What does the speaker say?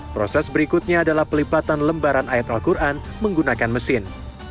proses berikutnya adalah pelipatan lembaran ayat al quran menggunakan mesin